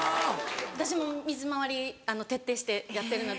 私も水回り徹底してやってるので。